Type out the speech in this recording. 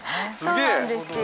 そうなんですよ。